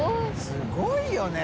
すごいよね。